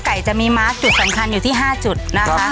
จะมีมาร์คจุดสำคัญอยู่ที่๕จุดนะคะ